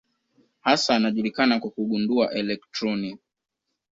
Hasa anajulikana kwa kugundua elektroni.